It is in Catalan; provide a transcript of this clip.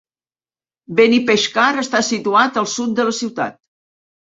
Benipeixcar està situat al sud de la ciutat.